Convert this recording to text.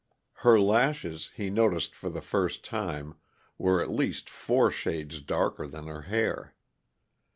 Her lashes, he noticed for the first time, were at least four shades darker than her hair.